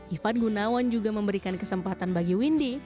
ivan gunawan juga memberikan kesempatan bagi windy